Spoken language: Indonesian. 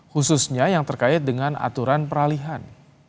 khususnya yang terkait dengan aturan peralihan